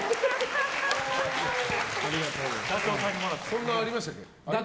そんなのありましたっけ？